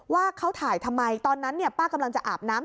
ว่าเขาถ่ายทำไมตอนนั้นป้ากำลังจะอาบน้ำ